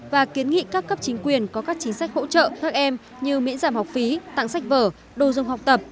và kiến nghị các cấp chính quyền có các chính sách hỗ trợ các em như miễn giảm học phí tặng sách vở đồ dùng học tập